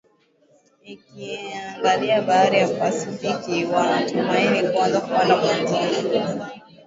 ikiangalia Bahari la Pasifiki Wanatumaini kuanza kupanda mwanzoni